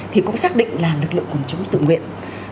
thì cũng xác định là lực lượng phòng chống tự nguyện